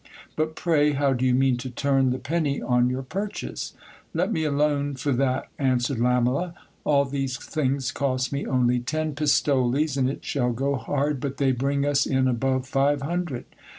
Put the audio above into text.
But pray, how do you mean to turn the penny on your purchase ? Let me alone for that, answered Lamela. All these things cost me only ten pistoles, and it shall go hard but they bring us in above five hundred.